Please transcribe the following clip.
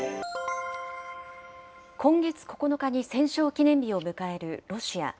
今月９日に戦勝記念日を迎えるロシア。